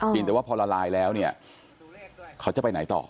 แต่ว่าพอละลายแล้วเนี่ยเขาจะไปไหนต่อ